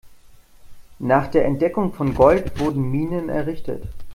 Nach der Entdeckung von Gold wurden Minen errichtet.